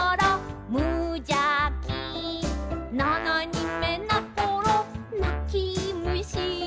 「ななにんめなころなきむし」